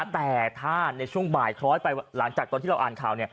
แต่ถ้าในช่วงบ่ายคล้อยไปหลังจากตอนที่เราอ่านข่าว